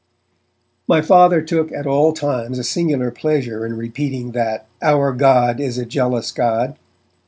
My Father took at all times a singular pleasure in repeating that 'our God is a jealous God'.